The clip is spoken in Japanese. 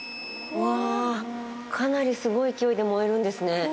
うわー、かなりすごい勢いで燃えるんですね。